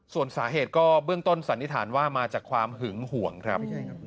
ส่วนสาเหตุก็เบื้องต้นสันนิษฐานว่ามาจากความหึงห่วงครับ